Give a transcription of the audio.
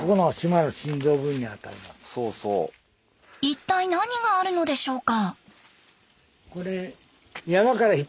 一体何があるのでしょうか。